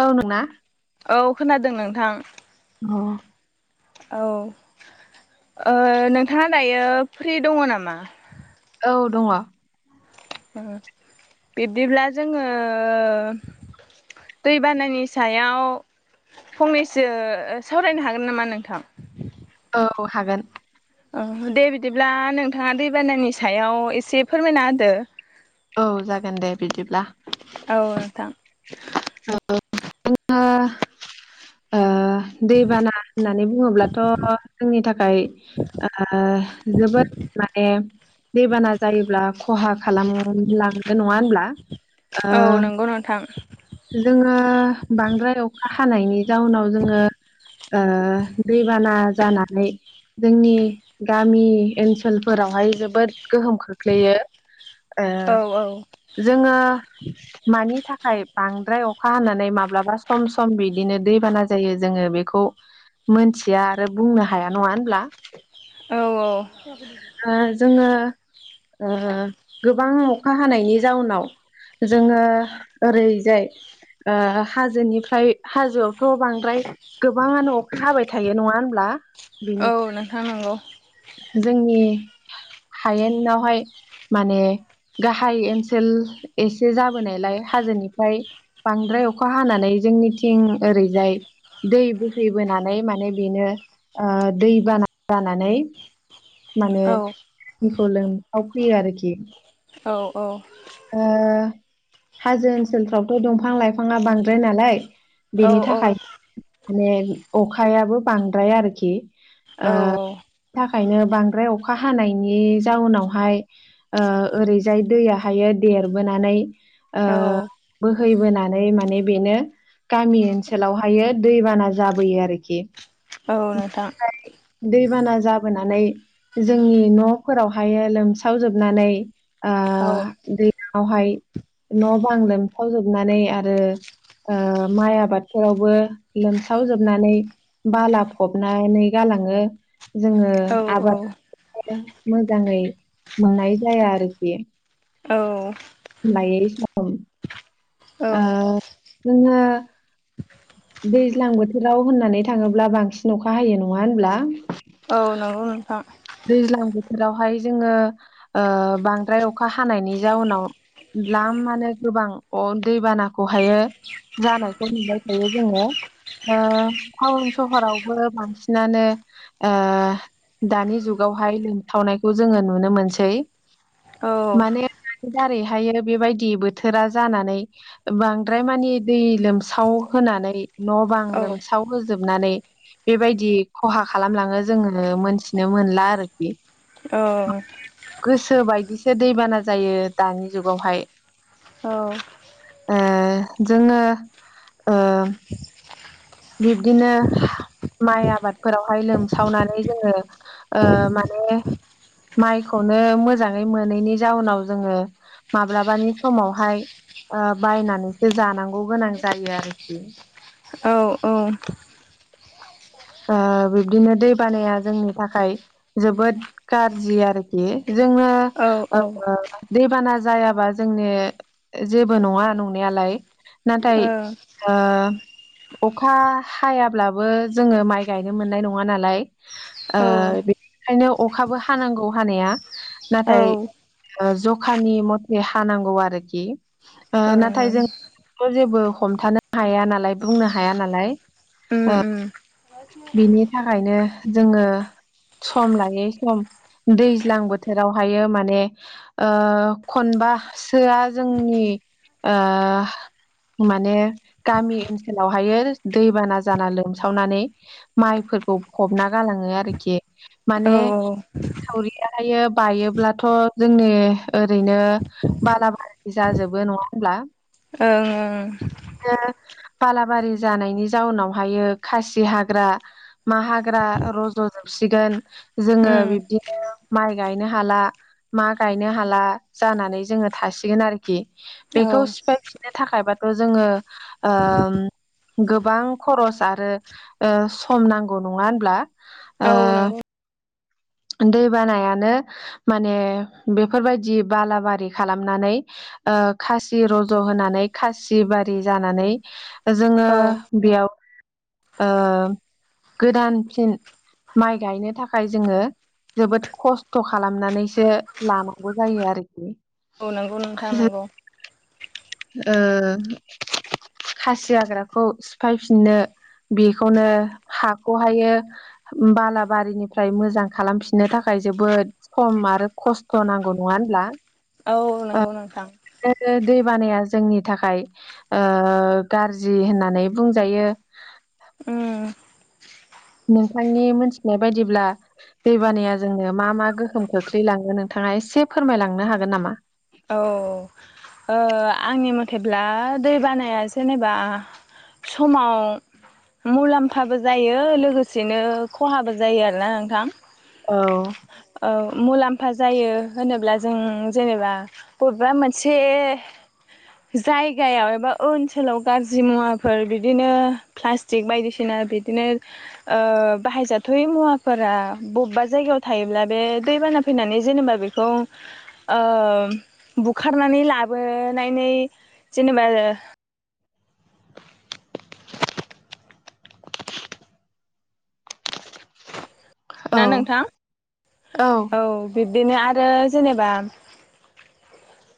औ नोंना। औ खोनादों नोंथां। औ। औ ओ नोंथाङा दायो फ्रि दङ नामा? औ दङ। बिब्दिब्ला जोङो दैबानानि सायाव फंनैसो सावरायनो हागोन नामा नोंथां? औ हागोन। औ दे बिदिब्ला नोंथाङा दैबानानि सायाव एसे फोरमायना होदो। औ जागोन दे बिदिब्ला औ नोंथां। [unintelligible] ओ दैबाना होननानै बुङोब्लाथ' जोंनि थाखाय ओ जोबोद माने दैबाना जायोब्ला खहा खालामलांनो नङा होनब्ला। ओ औ नंगौ नोंथां। जोङो बांद्राय अखा हानायनि जाउनाव जोङो ओ दैबाना जानानै जोंनि गामि ओनसोलफोरावहाय जोबोद गोहोम खोख्लैयो। ओ औ औ जोङो मानि थाखाय बांद्राय अखा हानानै माब्लाबा सम सम बिदिनो दैबाना जायो जोङो बेखौ मोनथिया आरो बुंनो हाया नङा होनब्ला औ औ। जोङो ओ गोबां अखा हानायनि जाउनाव जोङो ओरैजाय ओ हाजोनिफ्राय हाजोआवथ' बांद्राय गोबाङानो अखा हाबाय थायो नङा होनब्ला। बिनि औ नोंथां नंगौ। जोंनि हायेनावहाय माने गाहाय ओनसोल एसे जाबोनायलाय हाजोनिफ्राय बांद्राय अखा हानानै जोंनिथिं ओरैजाय दै बोहैबोनानै माने बेनो ओ दै बाना जानानै माने औ बेखौ लोमफाव फैयो आरोखि औ औ। ओ हाजो ओनसोलफ्रावथ' दंफां लाइफाङा बांद्राय नालाय। औ बेनि थाखाय माने अखायाबो बांद्राय आरोखि औ औ। खायनो बांद्राय अखा हानायनि जाउनावहाय ओह ओरैजाय दैया थायो देरबोनानै औ ओह बोहैबोनानै माने बेनो गामि ओनसोलावहाय दैबाना जाबोयो आरोखि औ नोंथां। बाना जाबोनानै जोंनि न'फोरावहाय लोमसावजोबनानै औ ओह दैलां आवहाय न' बां लोमखाव जोबनानै आरो ओ माइ आबादफोरावबो लोमसावजोबनानै बालाब गबनानै गालाङो जोङो औ आबाद मोजाङै मोननाय जाया आरोखि औ। [unintelligible] ओह औ औ जोङो दैज्लां बोथोराव होननानै थाङोब्ला बांसिन अखा हायो नङा होनब्ला औ नंगौ नोंथां दैज्लां बोथोरावहाय जोङो ओह बांद्राय अखा हानायनि जाउनाव दाल्मानो गोबां अ दैबानाखौहायो जानायखौ मोनबाय थायो जोङो ओह टाउन सहरावबो बांसिनानो ओह दानि जुग बेवहाय लोमफावनायखौ जोङो नुनो मोनसै औ माने बेफोर दारैहायो बेबायदि बोथोरा जानानै बांद्राय मानि दै लोमसाव होनानै न' बां औ लोमसाव होजोबनानै जोबनानै बेबायदि खहा खालामलाङो जोङो मोनथिनो मोनला आरोखि औ गोसो बायदिसो दैबाना जायो दानि जुगावहाय ओह जोङो बिब्दिनो माइ आबादफोरावहाय लोमसावनानै जोङो ओह माने माइखौनो मोजाङै मोनैनि जाउनाव जोङो माब्लाबानि समावहाय बायनानैसो जानांगौ गोनां जायो आरोखि औ औ ओह बिब्दिनो दै बानाया जोंनि थाखाय जोबोद गाज्रि आरोखि जोङो औ अ अ दैबाना जायाबा जोंनि जेबो नङा नंनायालाय नाथाय ओ अखा हायाब्लाबो जोङो माइ गायनो मोननाय नङा नालाय ओ औ बेनिखायनो अखाबो हानांगौ हानाया औ नाथाय ओं ओ जखानि मथे हानांगौ आरोखि ओ नाथाय जों उम बे जेबो हमथानो हाया नालाय बुंनो हाया नालाय उम ओ उम बिनि थाखायनो जोङो सम लायै सम दैज्लां बोथोरावहायो माने ओ खनबासोआ जोंनि ओ माने गामि ओनसोलावहायो दैबाना जाना लोमसावनानै माइफोरखौ फबना गालाङो आरोखि माने औ औ ओं थावरियाहायो बायोब्लाथ' जोंनि ओरैनो बाला बारि जाजोब जोबो नङा होनब्ला ओं ओं बालाबारि जानायनि जाउनावहायो खासि हाग हाग्रा मा हाग्रा रज'जोबसिगोन जोङो उम बिब्दिनो माइ गायनो हाला मा गायनो हाला जानानै जोङो थासिगोन आरोखि औ बेखौ सिफाय फिननो थाखायबाथ' जोङो गोबां खरस आरो सम नांगौ नङा होनब्ला औ नंगौ दै बानायानो माने बेफोरबायदि बालाबारि खालामनानै खासि रज' होनानै खासि बारि जानानै जोङो औ बेयाव गोदान फिन माइ गायनो थाखाय जोङो जोबोद खस्थ' खालामनानैसो लानांगौ जायो आरोखि औ नंगौ नोंथां नांगौ खासि हाग्राखौ सिफायफिननो बेखौनो हाखौहायो बालाबारिनिफ्राय मोजां खालामफिननो थाखाय जोबोद सम आरो खस्थ' नांगौ नङा होनब्ला औ नंगौ नोंथां बिदिनो दै बानाया जोंनि थाखाय ओ गाज्रि होननानै बुंजायो। उम नोंथांनि मोनथिनाय बायदिब्ला दैबानाया जोंनो मा मा गोहोम खोख्लैलाङो नोंथाङा एसे फोरमायलांनो हागोन नामा? औ। ओ आंनि मथेब्ला दै बानाया जेनेबा समाव मुलाम्फाबो जायो, लोगोसेनो खहाबो जायो आरोना नोंथां। औ ओ मुलाम्फा जायो होनोब्ला जों जेनेबा बबेबा मोनसे जायगायाव एबा ओनसोलाव गाज्रि मुवाफोर बिदिनो प्लास्टिक बायदिसिना बिदिनो ओ बाहाय जाथावै मुवाफोरा बबेबा जायगायाव थायोब्ला बे दै बाना फैनानै जेनेबा बेखौ ओ बुखारनानै लाबोनानै जेनेबा औ ना नोंथां, औ बिब्दिनो आरो जेनेबा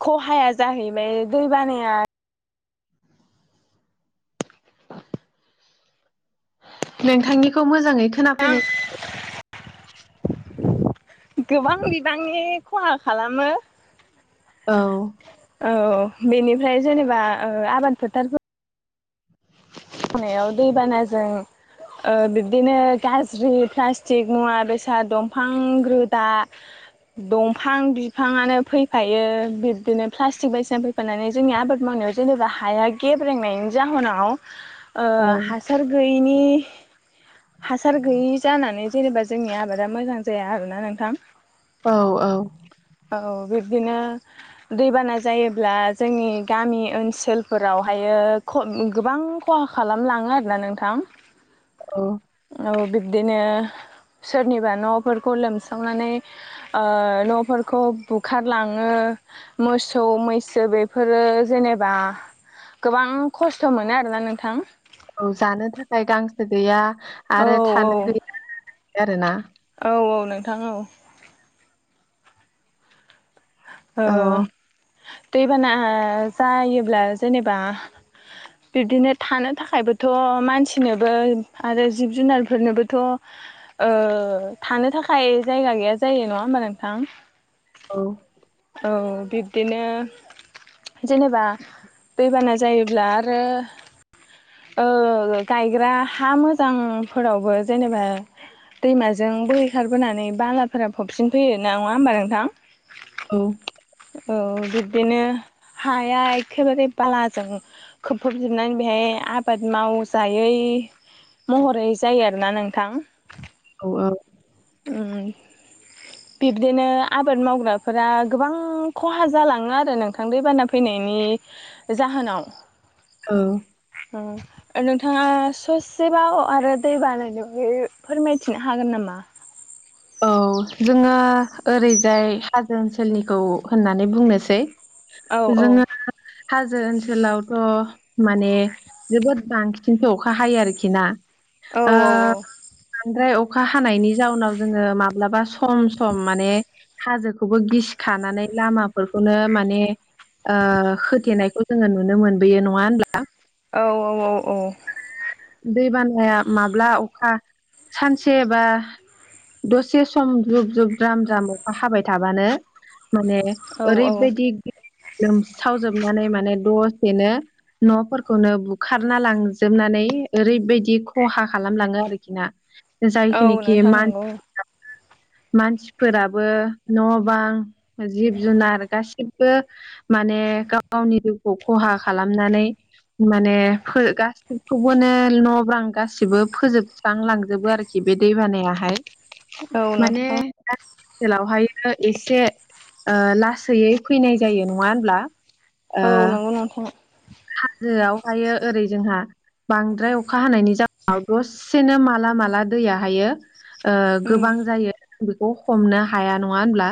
खहाया जाहैबाय दै बानाया नोंथांनिखौ मोजाङै खोनाफैनाय गोबां बिबांनि खहा खालामो। औ। औ बेनिफ्राय जेनेबा ओ आबाद फोथारफोर मावनायाव दैबानाजों ओ बिब्दिनो गाज्रि प्लास्टिक, मुवा बेसाद, दंफां रोदा, दंफां बिफाङानो फैफायो, बिबदिनो प्लास्टिक बायदिसिना फैफानानै जोंनि आबाद मावनाया जेनेबा हाया गेब्रेंनायनि जाहोनाव ओ औ हासार गैयैनि हासार गैयि जानानै जेनेबा जोंनि आबादा मोजां जाया आरोना नोंथां। औ औ। औ बिबदिनो दैबाना जायोब्ला जोंनि गामि ओनसोलफोरावहायो ओ गोबां खहा खालामलाङो आरोना नोंथां। औ। ओ बिब्दिनो सोरनिबा न'फोरखौ लोमस्रावनानै ओ न'फोर खौ बुखारलाङो, मोसौ मैसो बेफोरो जेनेबा गोबां खस्थ' मोनो आरोना नोंथां। औ जानो थाखाय गांसो गैया औ आरो थानो [inaudible] आरोना। औ औ नोंथां औ। ओ औ दैबाना जायोब्ला जेनेबा बिब्दिनो थानो थाखायबोथ' मानसिनोबो आरो जिब जुनारफोरनोबोथ' ओ थानो थाखाय जायगा गैया जायो, नङा होमबा नोंथां? औ। औ बिबदिनो जेनेबा दैबाना जायोब्ला आरो ओ गायग्रा हा मोजांफोरावबो जेनेबा दैमाजों बोहैखारबोनानै बालाफोरा फबसिनफैयो, नङा होमबा नोंथां? औ। औ बिब्दिनो हाया एखेबारे बालाजों खोबफबजोबनानै बेहाय आबाद मावजायै महरै जायो आरोना नोंथां। औ ओ। [inaudible] बिबदिनो आबाद मावग्राफोरा गोबां खहा जालाङो आरो नोंथां दैबाना फैनायनि नि जाहोनाव औ ओ नोंथाङा सोसेबाव आरो दै बानायनो बागै फोरमायथिनो हागोन नामा? [inaudible] औ जोङो ओरैजाय हाजो ओनसोलनिखौ होननानै बुंनोसै औ औ जोङो हाजो ओनसोलावथ' माने जोबोद बांसिनथो अखा हायो आरोखि ना। औ ओ बांद्राय अखा हानायनि जाउनाव जोङो माब्लाबा सम सम माने हाजोखौबो गिसिखानानै लामाफोरखौनो मा माने ओ होथेनायखौ जोङो नुनो मोनबोयो नङा होनब्ला? औ औ औ औ दै बानाया माब्ला अखा सानसे बा दसे सम जुब जुब द्राम द्राम अखा हाबाय थाबानो माने औ औ ओरैबायदि दि लोमस्रावजोबनानै माने दसेनो न'फोरखौनो बुखारना लांजोबनानै ओरैबायदि खहा खालामलाङो आरोखि ना औ जायखनिखि नोंथां मान नंगौ [inaudible] मानसिफोराबो न' बां जिब जुनार गासिबो माने ने गाव गावनि जिउखौ खहा खालामनानै माने फो गासैखौबोनो न' बां गासिबो फोजोबस्रां लांजोबो आरोखि बे दै बानायाहाय। औ नोथ' जेलावहायो एसे ओ लासैयै फैनाय जायो नङा होनब्ला? औ नंगौ नोंथां। हाजोआव हायो ओरै जोंहा बांद्राय अखा हानायनि जाउनाव दसेनो माला माला दैया हायो ओ उम गोबां जायो बेखौ हमनो हाया नङा होनब्ला?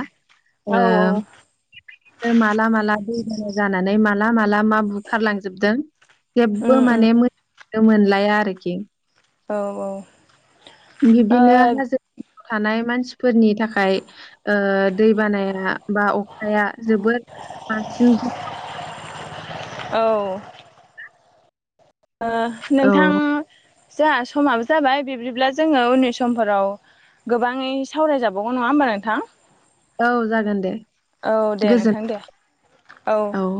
औ औ ओ माला माला दैबाना जानानै माला माला मा बु ओंखारलांजोबदों उम जेबो उम माने मोनथिनो मोनलाया आरोखि। औ औ बिब्दिनो हाजो ओ थानाय मानसिफोरनि थाखाय ओ दै बानाया बा अखाया जोबोद आसो औ ओ औ नोंथां जा समाबो जाबाय बिब्दिब्ला जोङो उननि समफोराव गोबाङै सावरायजाबावगोन नङा होमबा नोंथां? औ जागोन दे औ दे गोजोन नोंथां दे औ। औ